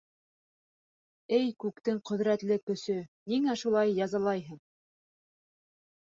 Эй күктең ҡөҙрәтле көсө, ниңә шулай язалайһың?